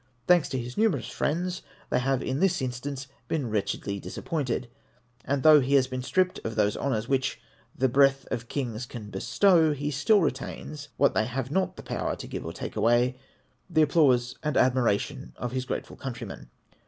Thanks to his numerous friends, they have in this instance been wretchedly disappointed, and though he has been stripped of those honours which " the breath of kings can bestow," he still retains what they have not the power to give or take away — the applause and admiration of his grateful countrymen.